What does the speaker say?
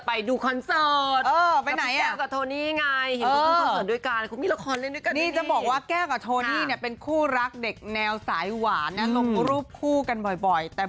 เพราะว่าฉันจะไปดูคอนเสิร์ต